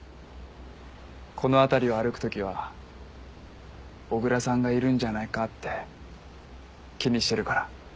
この辺りを歩くときは小椋さんがいるんじゃないかって気にしてるから。